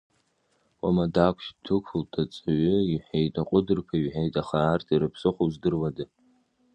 Уама дақәшәт, ддәықәлт, аҵааҩы иҳәеит, аҟәыдырԥаҩ иҳәеит, аха арҭ ирыԥсыхәоу здыруада!